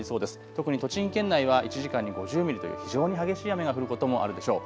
特に栃木県内は１時間に５０ミリという非常に激しい雨が降ることもあるでしょう。